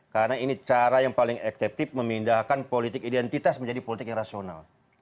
karena ini cara yang paling ekseptif memindahkan politik identitas menjadi politik yang rasional